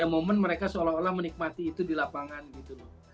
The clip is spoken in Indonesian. ada momen mereka seolah olah menikmati itu di lapangan gitu loh